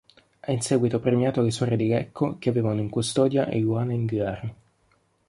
Ha in seguito premiato le suore di Lecco che avevano in custodia Eluana Englaro.